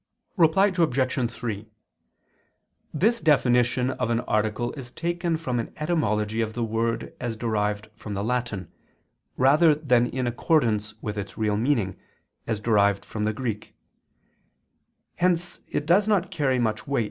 Reply Obj. 3: This definition of an article is taken from an etymology of the word as derived from the Latin, rather than in accordance with its real meaning, as derived from the Greek: hence it does not carry much weight.